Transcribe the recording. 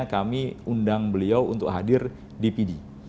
kami undang beliau untuk hadir di pd